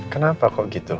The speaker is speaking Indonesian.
kenapa kok gitu